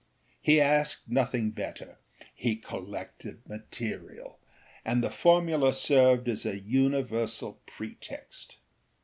He asked nothing better; he collected material, and the formula served as a universal pretext.